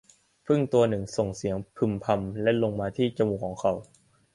ผึ้งตัวหนึ่งส่งเสียงพึมพำและลงมาที่จมูกของเขา